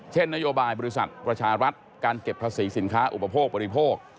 นโยบายบริษัทประชารัฐการเก็บภาษีสินค้าอุปโภคบริโภค